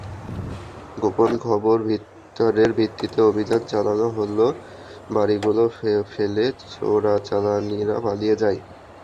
গোপন খবরের ভিত্তিতে অভিযান চালানো হলে বড়িগুলো ফেলে চোরাচালানিরা পালিয়ে যায়।